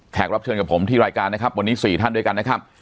รับเชิญกับผมที่รายการนะครับวันนี้๔ท่านด้วยกันนะครับ